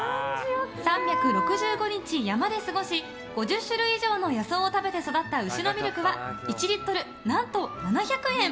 ３６５日山で過ごし５０種類以上の野草を食べて育った、牛のミルクは１リットル、何と７００円。